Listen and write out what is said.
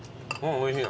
おいしい。